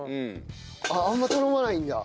あんま頼まないんだ。